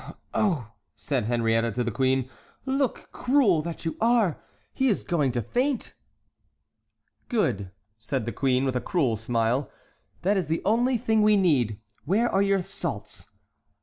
"Oh, oh!" said Henriette to the queen; "look, cruel that you are!—he is going to faint." "Good," said the queen, with a cruel smile; "that is the only thing we need. Where are your salts?"